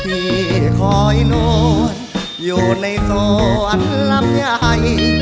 พี่คอยโน้นอยู่ในสวรรค์ลำยาย